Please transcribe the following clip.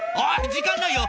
時間ないよ。